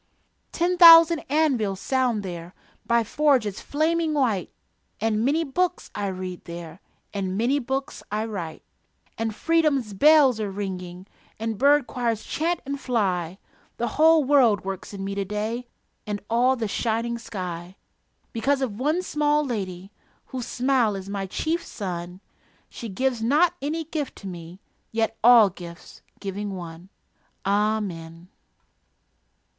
Ten thousand anvils sound there By forges flaming white, And many books I read there, And many books I write; And freedom's bells are ringing, And bird choirs chant and fly The whole world works in me to day And all the shining sky, Because of one small lady Whose smile is my chief sun. She gives not any gift to me Yet all gifts, giving one.... Amen.